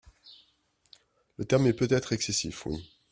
le terme est peut-être excessif, Oui